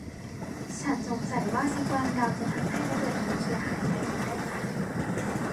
ฉันสงสัยว่าสักวันเราจะทำให้ระเบิดนิวเคลียร์หายไปหมดได้มั้ย